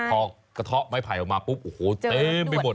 พอกระเทาะไม้ไผ่ออกมาปุ๊บโอ้โหเต็มไปหมด